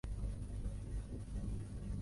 他从伦敦圣三一音乐学院毕业。